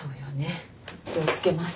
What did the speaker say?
気を付けます。